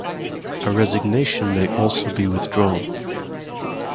A resignation may also be withdrawn.